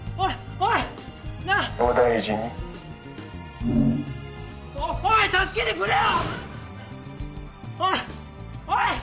おいおい！